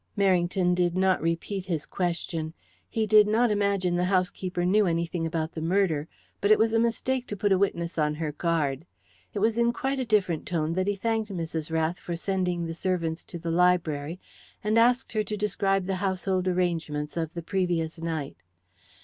Merrington did not repeat his question. He did not imagine the housekeeper knew anything about the murder, but it was a mistake to put a witness on her guard. It was in quite a different tone that he thanked Mrs. Rath for sending the servants to the library, and asked her to describe the household arrangements of the previous night.